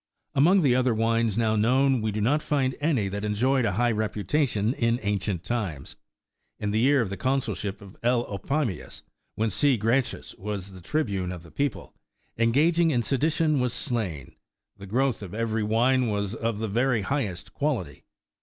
Among the other wines now known, we do not find any that enjoyed a high reputation in ancient times. In the year of the consulship of L. Opimius, when C. Gracchus,43 the tribune of the people, engaging in sedition, was slain, the growth of every wine was of the very highest quality.